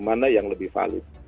mana yang lebih valid